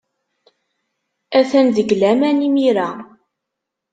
Atan deg laman imir-a.